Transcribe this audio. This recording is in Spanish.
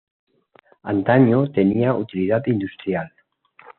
Antaño tenía utilidad industrial.